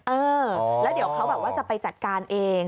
เออแล้วเดี๋ยวเขาแบบว่าจะไปจัดการเอง